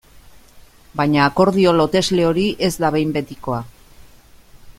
Baina akordio lotesle hori ez da behin betikoa.